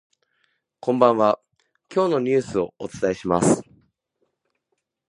こんばんは、今日のニュースをお伝えします。